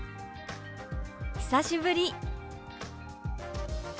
「久しぶり」。